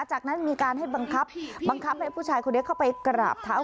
จากนั้นมีการให้บังคับบังคับให้ผู้ชายคนนี้เข้าไปกราบเท้า